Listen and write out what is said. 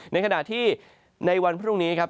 ในขณะที่ในวันพรุ่งนี้ครับ